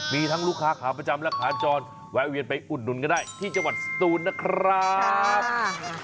มีทั้งลูกค้าขาประจำและขาจรแวะเวียนไปอุดหนุนก็ได้ที่จังหวัดสตูนนะครับ